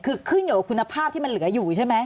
คือขึ้นอยู่กับคุณภาพที่มันเหลืออยู่ใช่ไหม